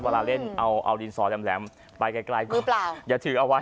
เวลาเล่นเอาดินสอแหลมไปไกลก็อย่าถือเอาไว้